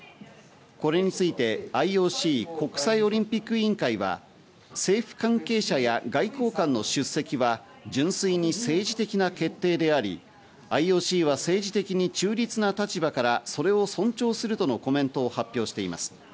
これについてＩＯＣ＝国際オリンピック委員会は政府関係者や外交官の出席は純粋に政治的な決定であり、ＩＯＣは政治的に中立な立場からそれを尊重するとのコメントを発表しています。